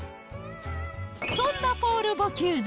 そんなポール・ボキューズ。